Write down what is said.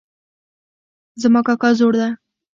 زما کاکا زوړ ده